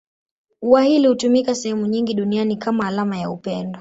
Ua hili hutumika sehemu nyingi duniani kama alama ya upendo.